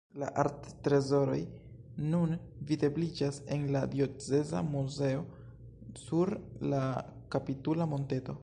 La arttrezoroj nun videbliĝas en la Dioceza Muzeo sur la kapitula monteto.